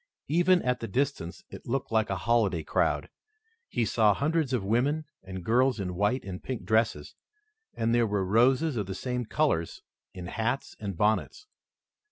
Even at the distance it looked like a holiday crowd. He saw hundreds of women and girls in white and pink dresses, and there were roses of the same colors in hats and bonnets.